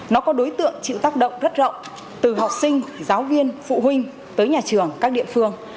nó có đối tượng chịu tác động rất rộng từ học sinh giáo viên phụ huynh tới nhà trường các địa phương